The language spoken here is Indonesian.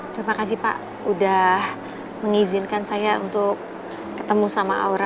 terima kasih pak udah mengizinkan saya untuk ketemu sama aura